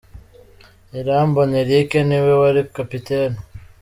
Irambona Eric ni we wari kapiteni.